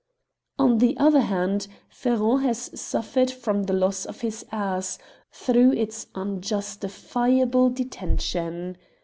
" On the other hand, Ferron has suffered from the loss of his ass, through its unjustifiable detention.